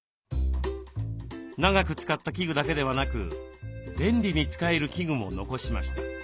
長く使った器具だけではなく便利に使える器具も残しました。